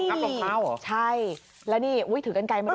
อ๋ออุ้ยอุ้ยใช่แล้วนี่อุ้ยถือกันไกลมาก